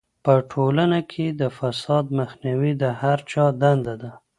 په ټولنه کې د فساد مخنیوی د هر چا دنده ده.